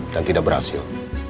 dan tidak berhasil